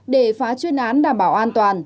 để phá chuyên án đảm bảo an toàn